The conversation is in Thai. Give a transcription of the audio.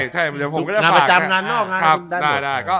งานประจำงานนอกงานด้านหลัก